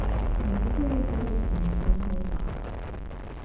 你不會又喝到紅通通吧？